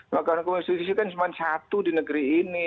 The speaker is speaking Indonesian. mahkamah konstitusi kan cuma satu di negeri ini